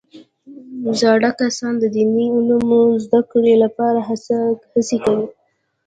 زاړه کسان د دیني علومو زده کړې لپاره هڅې کوي